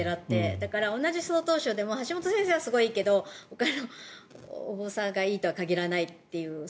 だから、同じ曹洞宗でも橋本先生はすごくいいけどほかのお坊さんがいいとは限らないっていう。